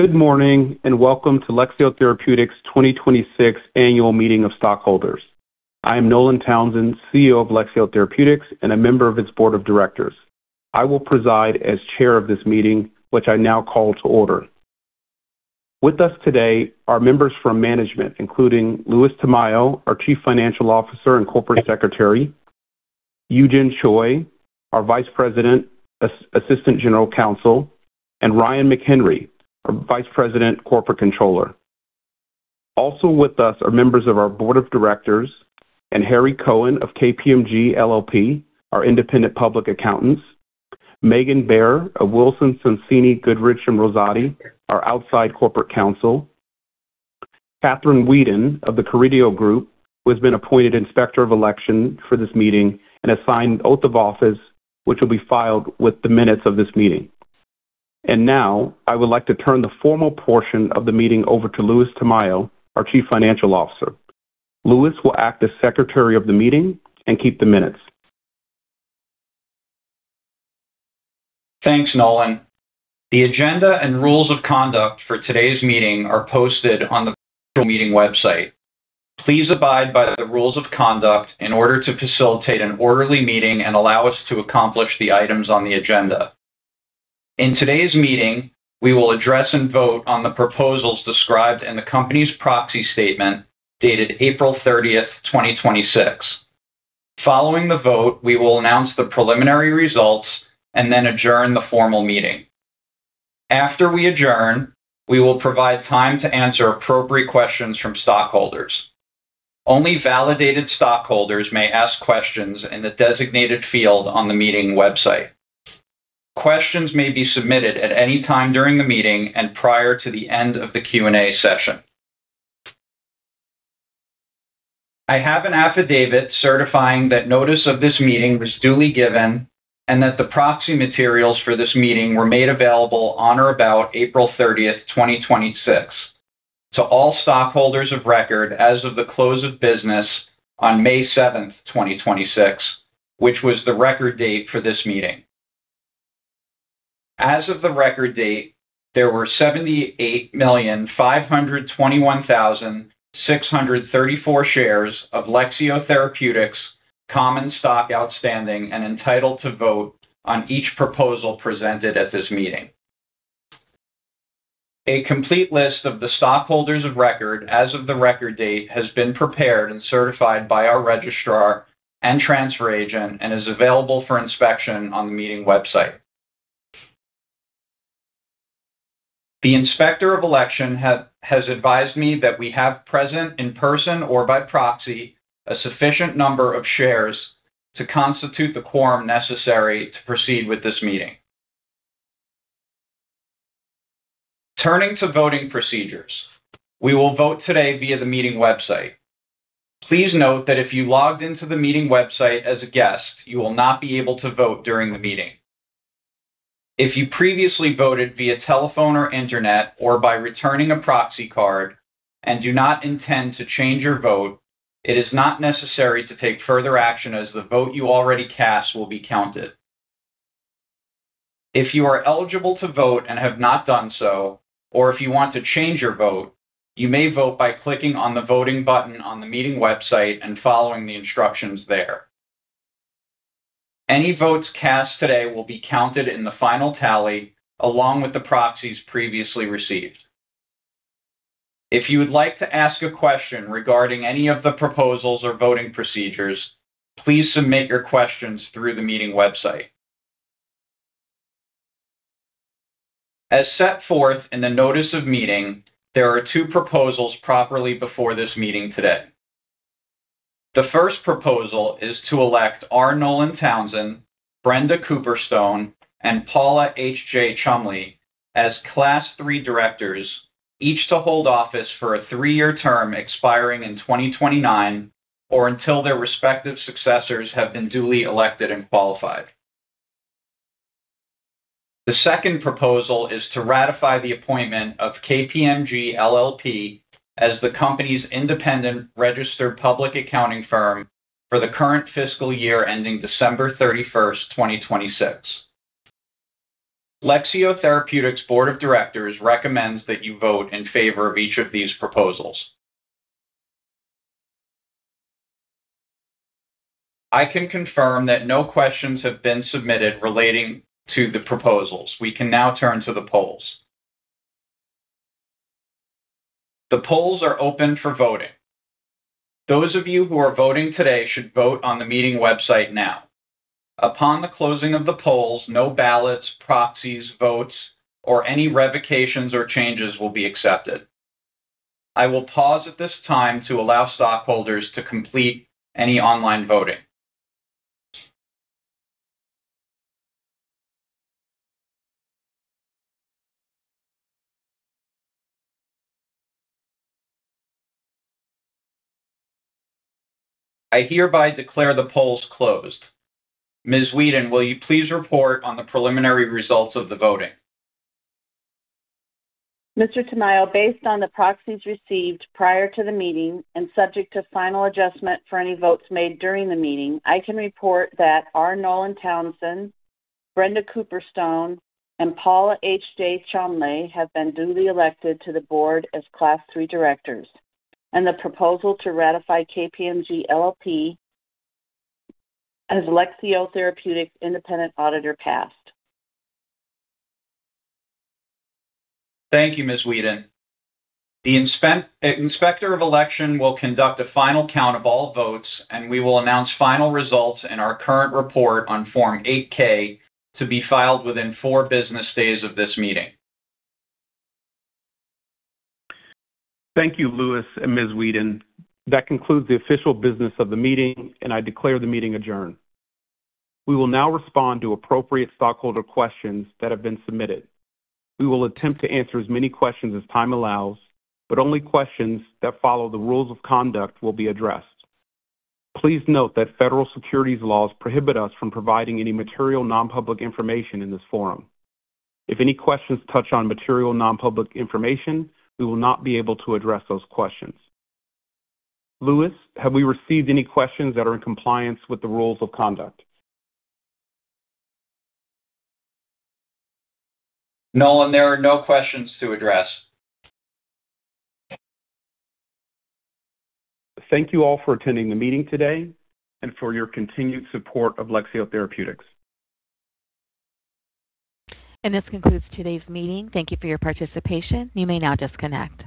Good morning, welcome to Lexeo Therapeutics 2026 Annual Meeting of Stockholders. I am Nolan Townsend, Chief Executive Officer of Lexeo Therapeutics and a member of its Board of Directors. I will preside as Chair of this meeting, which I now call to order. With us today are members from management, including Louis Tamayo, our Chief Financial Officer and Corporate Secretary, Youjin Choi, our Vice President, Assistant General Counsel, and Ryan McHenry, our Vice President, Corporate Controller. Also with us are members of our Board of Directors and Harry Cohen of KPMG LLP, our independent public accountants, Megan Baier of Wilson Sonsini Goodrich & Rosati, our outside corporate counsel, Kathryn Wheadon of The Carideo Group, who has been appointed Inspector of Election for this meeting and has signed an oath of office which will be filed with the minutes of this meeting. Now I would like to turn the formal portion of the meeting over to Louis Tamayo, our Chief Financial Officer. Louis will act as Secretary of the Meeting and keep the minutes. Thanks, Nolan. The agenda and rules of conduct for today's meeting are posted on the virtual meeting website. Please abide by the rules of conduct in order to facilitate an orderly meeting and allow us to accomplish the items on the agenda. In today's meeting, we will address and vote on the proposals described in the company's proxy statement dated April 30th, 2026. Following the vote, we will announce the preliminary results and then adjourn the formal meeting. After we adjourn, we will provide time to answer appropriate questions from stockholders. Only validated stockholders may ask questions in the designated field on the meeting website. Questions may be submitted at any time during the meeting and prior to the end of the Q&A session. I have an affidavit certifying that notice of this meeting was duly given and that the proxy materials for this meeting were made available on or about April 30th, 2026, to all stockholders of record as of the close of business on May 7th, 2026, which was the record date for this meeting. As of the record date, there were 78,521,634 shares of Lexeo Therapeutics common stock outstanding and entitled to vote on each proposal presented at this meeting. A complete list of the stockholders of record as of the record date has been prepared and certified by our registrar and transfer agent and is available for inspection on the meeting website. The inspector of election has advised me that we have present in person or by proxy a sufficient number of shares to constitute the quorum necessary to proceed with this meeting. Turning to voting procedures, we will vote today via the meeting website. Please note that if you logged into the meeting website as a guest, you will not be able to vote during the meeting. If you previously voted via telephone or internet or by returning a proxy card and do not intend to change your vote, it is not necessary to take further action as the vote you already cast will be counted. If you are eligible to vote and have not done so, or if you want to change your vote, you may vote by clicking on the voting button on the meeting website and following the instructions there. Any votes cast today will be counted in the final tally along with the proxies previously received. If you would like to ask a question regarding any of the proposals or voting procedures, please submit your questions through the meeting website. As set forth in the notice of meeting, there are two proposals properly before this meeting today. The first proposal is to elect R. Nolan Townsend, Brenda Cooperstone, and Paula H.J. Cholmondeley as Class III directors, each to hold office for a three-year term expiring in 2029, or until their respective successors have been duly elected and qualified. The second proposal is to ratify the appointment of KPMG LLP as the company's independent registered public accounting firm for the current fiscal year ending December 31st, 2026. Lexeo Therapeutics Board of Directors recommends that you vote in favor of each of these proposals. I can confirm that no questions have been submitted relating to the proposals. We can now turn to the polls. The polls are open for voting. Those of you who are voting today should vote on the meeting website now. Upon the closing of the polls, no ballots, proxies, votes, or any revocations or changes will be accepted. I will pause at this time to allow stockholders to complete any online voting. I hereby declare the polls closed. Ms. Wheadon, will you please report on the preliminary results of the voting? Mr. Tamayo, based on the proxies received prior to the meeting and subject to final adjustment for any votes made during the meeting, I can report that R. Nolan Townsend, Brenda Cooperstone, and Paula H.J. Cholmondeley have been duly elected to the board as Class III directors, and the proposal to ratify KPMG LLP as Lexeo Therapeutics' independent auditor passed. Thank you, Ms. Wheadon. The inspector of election will conduct a final count of all votes, we will announce final results in our current report on Form 8-K to be filed within four business days of this meeting. Thank you, Louis and Ms. Wheadon. That concludes the official business of the meeting, I declare the meeting adjourned. We will now respond to appropriate stockholder questions that have been submitted. We will attempt to answer as many questions as time allows, only questions that follow the rules of conduct will be addressed. Please note that federal securities laws prohibit us from providing any material non-public information in this forum. If any questions touch on material non-public information, we will not be able to address those questions. Louis, have we received any questions that are in compliance with the rules of conduct? Nolan, there are no questions to address. Thank you all for attending the meeting today and for your continued support of Lexeo Therapeutics. This concludes today's meeting. Thank you for your participation. You may now disconnect.